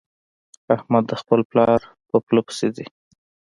احمد د خپل پلار په پله پسې ځي.